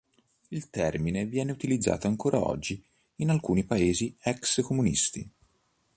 Il termine viene utilizzato ancora oggi in alcuni paesi ex-comunisti.